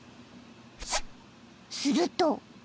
［すると］